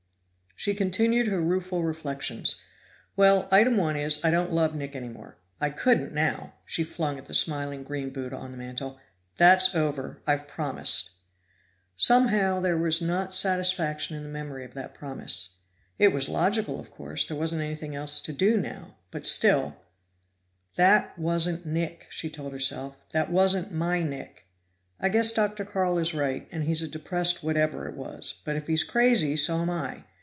She continued her rueful reflections. "Well, item one is, I don't love Nick any more. I couldn't now!" she flung at the smiling green buddha on the mantel. "That's over; I've promised." Somehow there was not satisfaction in the memory of that promise. It was logical, of course; there wasn't anything else to do now, but still "That wasn't Nick!" she told herself. "That wasn't my Nick. I guess Dr. Carl is right, and he's a depressed what ever it was; but if he's crazy, so am I!